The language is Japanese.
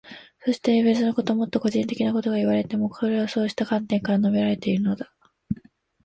そして、別なこと、もっと個人的なことがいわれていても、それはそうした観点から述べられているのだ。